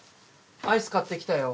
アイス買ってきたよ。